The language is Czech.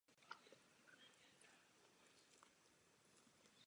Proto jsme usnesení podpořili a hlasovali pro něj.